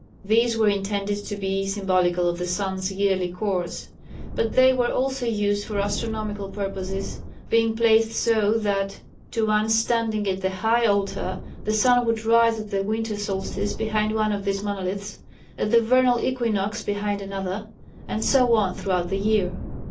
These were intended to be symbolical of the sun's yearly course, but they were also used for astronomical purposes being placed so that, to one standing at the high altar, the sun would rise at the winter solstice behind one of these monoliths, at the vernal equinox behind another, and so on throughout the year.